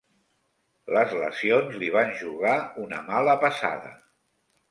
Les lesions li van jugar una mala passada.